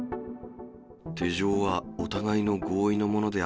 手錠はお互いの合意のもので